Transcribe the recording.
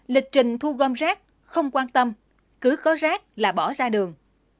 lịch trình thu gom rác không quan tâm cứ có rác là bỏ ra đường